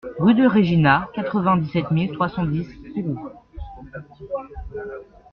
Rue de Règina, quatre-vingt-dix-sept mille trois cent dix Kourou